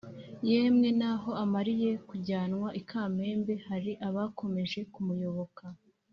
Yemwe naho amariye kujyanwa i Kamembe, hari abakomeje kumuyoboka.